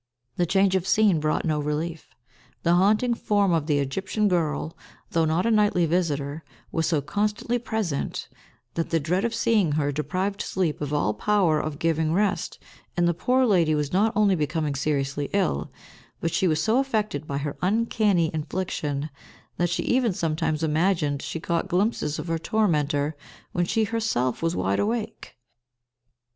The change of scene brought no relief. The haunting form of the Egyptian girl, though not a nightly visitor, was so constantly present, that the dread of seeing her deprived sleep of all power of giving rest, and the poor lady was not only becoming seriously ill, but she was so affected by her uncanny infliction, that she even sometimes imagined she caught glimpses of her tormentor when she herself was wide awake.